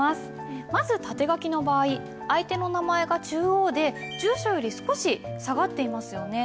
まず縦書きの場合相手の名前が中央で住所より少し下がっていますよね。